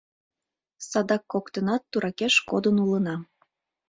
Садак коктынат туракеш кодын улына...